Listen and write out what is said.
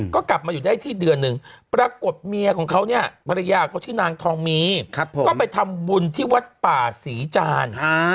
ก็กลับมาอยู่ได้ที่เดือนหนึ่งปรากฏเมียของเขาเนี่ยภรรยาเขาชื่อนางทองมีก็ไปทำบุญที่วัดป่าศรีจาน